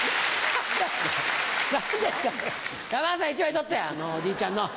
何ですか山田さん１枚取ってあのおじいちゃんの。